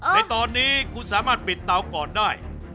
ในตอนนี้คุณสามารถปิดเตาก่อนได้